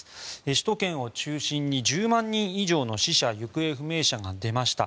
首都圏を中心に１０万人以上の死者・行方不明者が出ました。